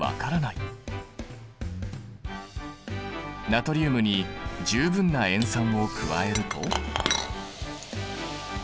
ナトリウムに十分な塩酸を加えると。